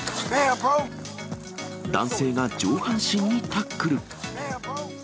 男性が上半身にタックル。